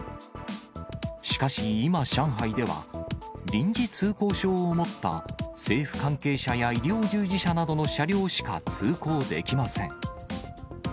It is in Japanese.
しかし今、上海では、臨時通行証を持った、政府関係者や医療従事者などの車両しか通行できません。